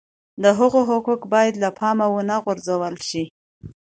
د هغه حقوق باید له پامه ونه غورځول شي.